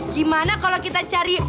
gimana kalau kita cari